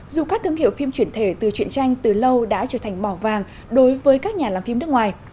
dù các thương hiệu phim chuyển thể từ chuyện tranh từ lâu đã trở thành mỏ vàng đối với các nhà làm phim nước ngoài